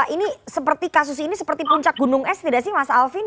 ini seperti kasus ini seperti puncak gunung es tidak sih mas alvin